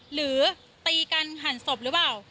หรือตีกันหั่นศพหรือเปล่า